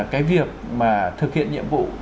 cái việc mà thực hiện nhiệm vụ